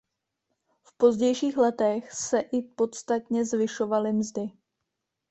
V pozdějších letech se i podstatně zvyšovaly mzdy.